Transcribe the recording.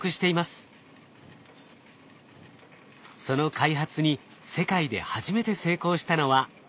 その開発に世界で初めて成功したのは日本の企業です。